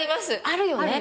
あるよね